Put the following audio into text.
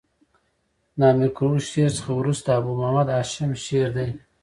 د امیر کروړ شعر څخه ورسته د ابو محمد هاشم شعر دﺉ.